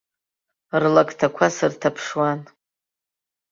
Рлакҭақәа сырҭаԥшуан.